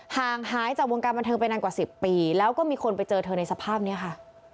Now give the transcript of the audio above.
ห่างหายจากวงการบันเทิงไปนานกว่า๑๐ปีแล้วก็มีคนไปเจอเธอในสภาพนี้ค่ะ